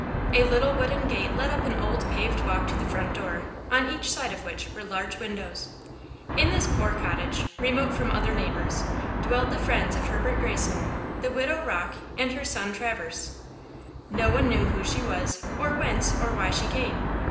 A little wooden gate led up an old paved walk to the front door, on each side of which were large windows. In this poor cottage, remote from other neighbors, dwelt the friends of Herbert Greyson–the widow Rocke and her son Traverse. No one knew who she was, or whence or why she came.